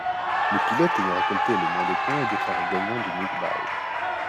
Le pilote ayant récolté le moins de points est déclaré gagnant du Milk Bowl.